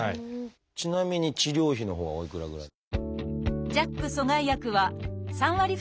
ちなみに治療費のほうはおいくらぐらい？